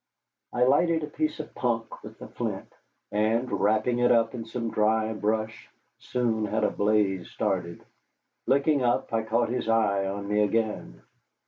I lighted a piece of punk with the flint, and, wrapping it up in some dry brush, soon had a blaze started. Looking up, I caught his eye on me again.